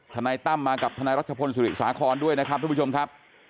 นายตั้มมากับทนายรัชพลสุริสาครด้วยนะครับทุกผู้ชมครับ